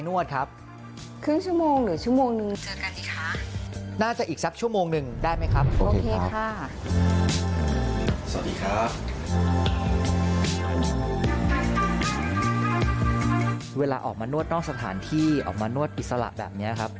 เวลาออกมานวดนอกสถานที่ออกมานวดอิสระแบบนี้ครับ